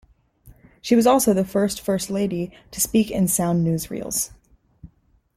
She was also the first First Lady to speak in sound newsreels.